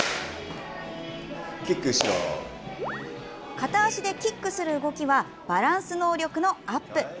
片足でキックする動きはバランス能力のアップ。